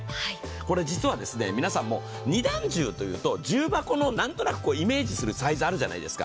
これ実は皆さんも２段重というと、重箱の何となくイメージするサイズあるじゃないですか。